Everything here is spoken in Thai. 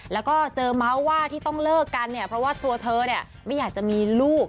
แล้วก็เจอเมาส์ว่าที่ต้องเลิกกันเนี่ยเพราะว่าตัวเธอเนี่ยไม่อยากจะมีลูก